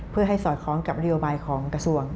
เพื่อให้สอดคล้องกับนโยบายของกระทรวง